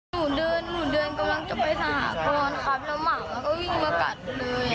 หนูเดินกำลังจะไปสหกรครับแล้วหมาก็วิ่งมากัดเลยอ่ะ